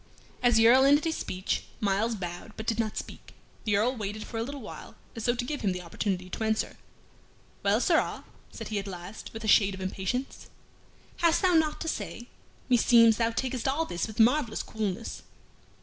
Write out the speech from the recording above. As the Earl ended his speech, Myles bowed, but did not speak. The Earl waited for a little while, as though to give him the opportunity to answer. "Well, sirrah," said he at last, with a shade of impatience, "hast thou naught to say? Meseems thou takest all this with marvellous coolness."